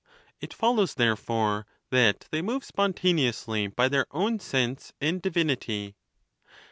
It follows, therefore, that they move spontaneously by their own sense and divinity.